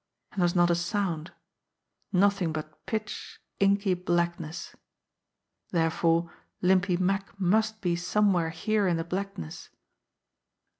And there was not a sound nothing but pitch, inky blackness. Therefore Limpy Mack must be somewhere here in the blackness.